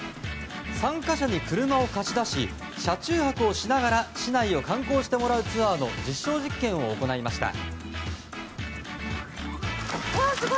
参加者に車を貸し出し車中泊をしながら市内を観光してもらうツアーの実証実験を行いました。